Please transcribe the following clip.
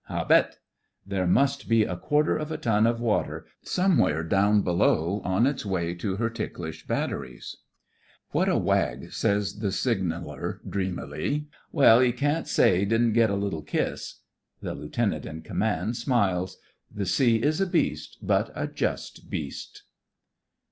Hahet ! There must be a quarter of a ton of water somewhere down below, on its way to her ticklish batteries, 116 THE FRINGES OF THE FLEET "What a wag!" says the signaller, dreamily. "Well, 'e can't say 'e didn't get 'is little kiss." The lieutenant in command smiles. The sea is a beast, but a just beast.